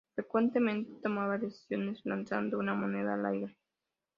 Frecuentemente, tomaba decisiones lanzando una moneda al aire.